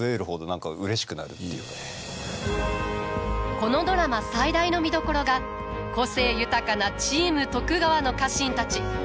このドラマ最大の見どころが個性豊かな「チーム徳川」の家臣たち。